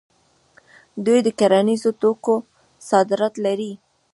دوی د کرنیزو توکو صادرات لري.